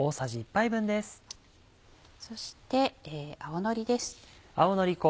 そして青のりです。